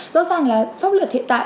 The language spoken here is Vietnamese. rõ ràng là pháp luật hiện tại